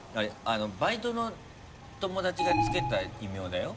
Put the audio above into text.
バイトの友達が付けた異名だよ？